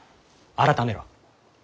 改めろ。